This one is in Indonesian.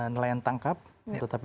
nelayan tangkap tetapi